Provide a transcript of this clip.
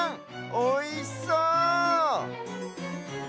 おいしそう！